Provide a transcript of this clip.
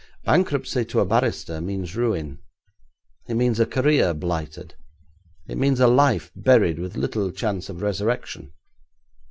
Bankruptcy to a barrister means ruin. It means a career blighted; it means a life buried, with little chance of resurrection.